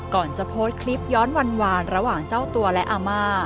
ก่อนจะโพสต์คลิปย้อนหวานระหว่างเจ้าตัวและอาม่า